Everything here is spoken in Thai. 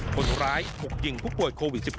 คนร้าย๖หญิงพุกปวดโควิด๑๙